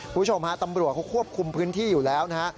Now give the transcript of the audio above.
คุณผู้ชมฮะตำรวจเขาควบคุมพื้นที่อยู่แล้วนะฮะ